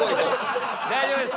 大丈夫です。